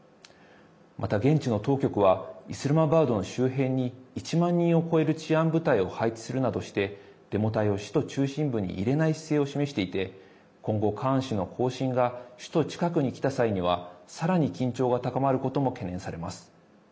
また、現地の当局はイスラマバードの周辺に１万人を超える治安部隊を配置するなどしてデモ隊を首都中心部に入れない姿勢を示していて今後、カーン氏の行進が首都近くに来た際にはさらに緊張が高まることも懸念されます。